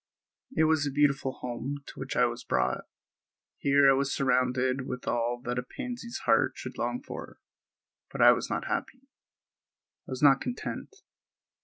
It was a beautiful home to which I was brought. Here I was surrounded with all that a pansy's heart should long for; but I was not happy. I was not content.